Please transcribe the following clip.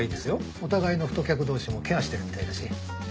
お互いの太客同士もケアしてるみたいだし。